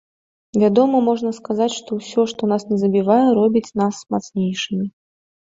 Вядома, можна сказаць, што ўсё, што нас не забівае, робіць нас мацнейшымі.